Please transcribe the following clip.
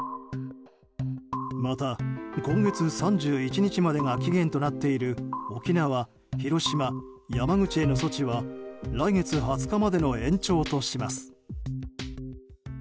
また、今月３１日までが期限となっている沖縄、広島、山口への措置は来月２０日までの延長とします。